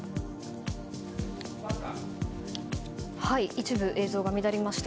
一部映像が乱れました。